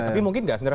tapi mungkin tidak